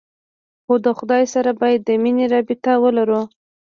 خو د خداى سره بايد د مينې رابطه ولرو.